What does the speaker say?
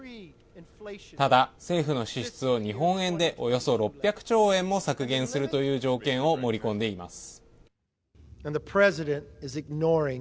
ただ、政府の支出を日本円でおよそ６００兆円も削減するという条件を盛り込んでいます。